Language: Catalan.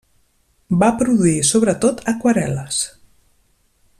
Va produir sobretot aquarel·les.